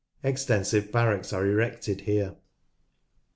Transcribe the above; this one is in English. Extensive barracks are erected here.